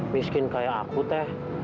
miskin kayak aku teh